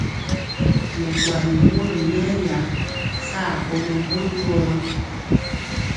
Nɛ kuali mori yɛya saa bɔnɔ mori woro.